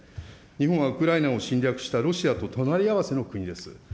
日本はウクライナを侵略したロシアと隣り合わせの国です。